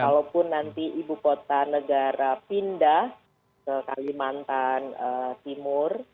kalaupun nanti ibu kota negara pindah ke kalimantan timur